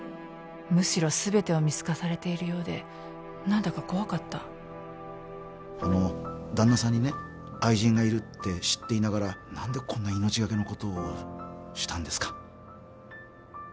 むしろすべてを見透かされているようで何だか怖かったあの旦那さんにね愛人がいるって知っていながら何でこんな命懸けのことをしたんですか？